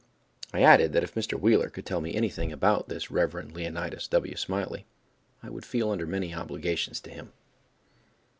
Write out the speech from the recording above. I added that if Mr. Wheeler could tell me anything about this Rev. Leonidas W. Smiley, I would feel under many obligations to him.